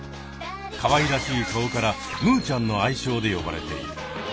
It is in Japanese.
かわいらしい顔からムーちゃんの愛称で呼ばれている。